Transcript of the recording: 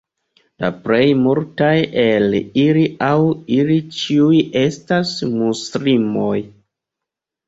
La plej multaj el ili aŭ ili ĉiuj estas muslimoj.